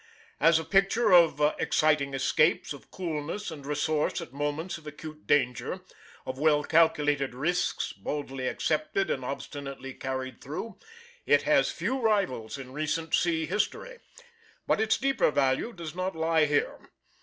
As a picture of exciting escapes, of coolness and resource at moments of acute danger, of well calculated risks, boldly accepted and obstinately carried through, it has few rivals in recent sea story: but its deeper value does not lie here.